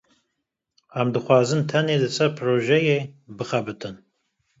Em dixwazin tenê li ser projeyê bixebitin.